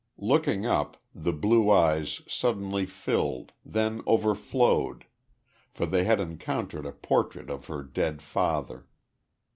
Looking up, the blue eyes suddenly filled, then overflowed, for they had encountered a portrait of her dead father.